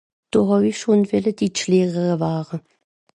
Do hàw i schon welle Ditschlehrere ware